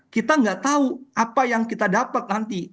kita nggak tahu apa yang kita dapat nanti